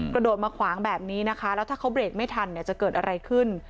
กระโดดมาขวางแบบนี้นะคะแล้วถ้าเขาเบรกไม่ทันเนี่ยจะเกิดอะไรขึ้น